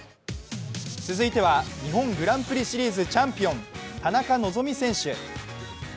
続いては日本グランプリシリーズチャンピオン、田中希実選手。